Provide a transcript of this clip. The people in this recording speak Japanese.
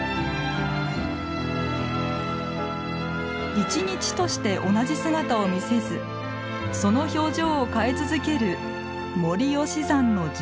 一日として同じ姿を見せずその表情を変え続ける森吉山の樹氷。